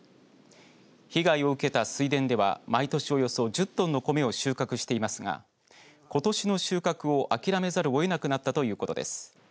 被害を受けた水田では毎年およそ１０トンの米を収穫していますがことしの収穫を諦めざるをえなくなったということです。